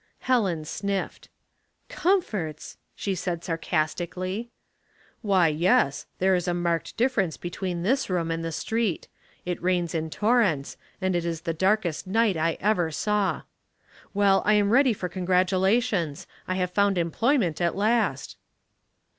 Helen sniffled. " Comforts !" she said, sarcastically. " Why, yes, there is a marked difference be tween this room and the street. It rains in torrents, and is the darkest night I ever saw. Storm and ''Moonshine.'* 819 Well, 1 am ready for congratulations. I have found employment at last."